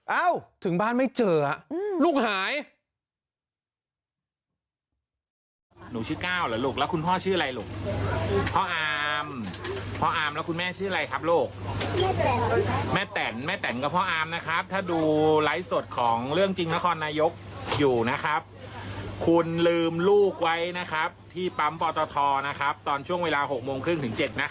ถึงบ้านไม่เจอลูกหาย